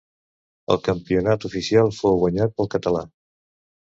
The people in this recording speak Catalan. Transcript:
El campionat oficial fou guanyat pel Català.